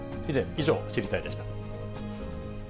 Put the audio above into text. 以上、知りたいッ！でした。